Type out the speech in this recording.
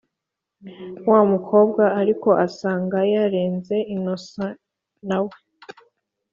wumukobwa ariko asanga yarenze innocent nawe